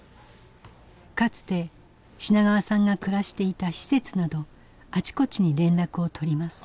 かつて品川さんが暮らしていた施設などあちこちに連絡を取ります。